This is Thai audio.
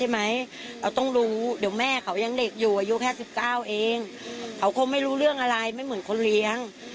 ไม่เหมือนคนเลี้ยง